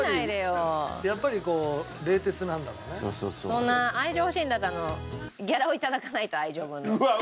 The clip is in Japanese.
そんな愛情欲しいんだったらギャラを頂かないと愛情分の。